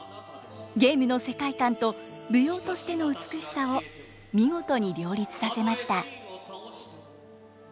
ゲームの世界観と舞踊としての美しさを見事に両立させました。